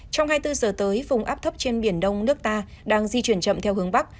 trong hai mươi bốn giờ tới vùng áp thấp trên biển đông nước ta đang di chuyển chậm theo hướng bắc